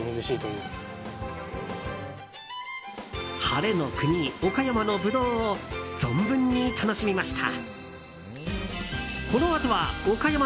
晴れの国・岡山のブドウを存分に楽しみました。